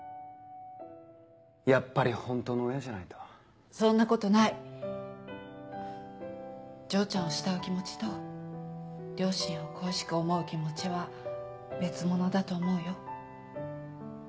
やっぱり本当の親じゃないとそんなことない丈ちゃんを慕う気持ちと両親を恋しく思う気持ちは別物だと思うよ